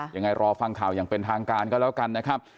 รอฟังข่าวอย่างเป็นทางการก็แล้วกันนะครับ